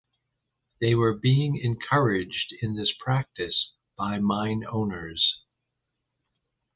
They were being encouraged in this practice by mine owners.